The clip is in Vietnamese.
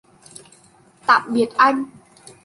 tạm biệt anh